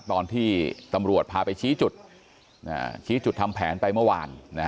ตอนที่ตำรวจพาไปชี้จุดชี้จุดทำแผนไปเมื่อวาน